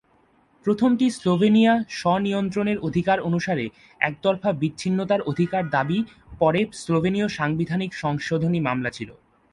প্রথমটি স্লোভেনিয়া স্ব-নিয়ন্ত্রণের অধিকার অনুসারে একতরফা বিচ্ছিন্নতার অধিকার দাবি পরে স্লোভেনীয় সাংবিধানিক সংশোধনী মামলা ছিল।